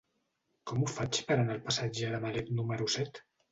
Com ho faig per anar al passatge de Malet número set?